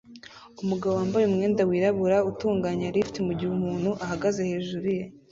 Umugabo wambaye umwenda wirabura utunganya lift mugihe umuntu ahagaze hejuru ye